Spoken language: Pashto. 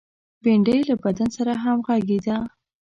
بېنډۍ له بدن سره همغږې ده